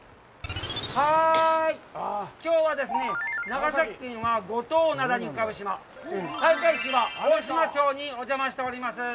きょうはですね、長崎県は五島灘に浮かぶ島、西海市は大島町にお邪魔しております。